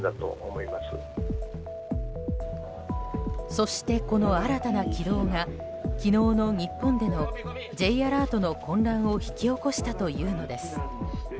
そして、この新たな軌道が昨日の日本でのＪアラートの混乱を引き起こしたというのです。